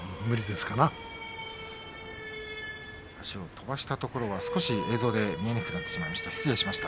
足を飛ばしたところ少し映像で見えなくなってしまって、失礼しました。